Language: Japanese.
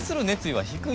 はい！